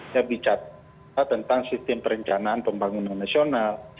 saya bicara tentang sistem perencanaan pembangunan nasional